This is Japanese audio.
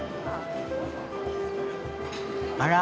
あら？